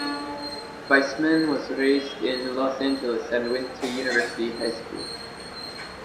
Weissman was raised in Los Angeles and went to University High School.